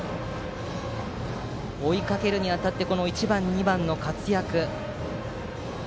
追いかけるにあたって１番、２番の活躍。